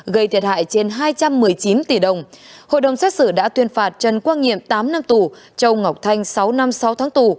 gây thiệt hại trên hai trăm một mươi chín tỷ đồng hội đồng xét xử đã tuyên phạt trần quang nhiệm tám năm tù châu ngọc thanh sáu năm sáu tháng tù